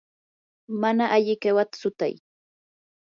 mana alli qiwata sutay.